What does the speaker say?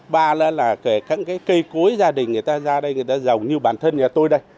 ba là cái cây cối gia đình người ta ra đây người ta giàu như bản thân nhà tôi đây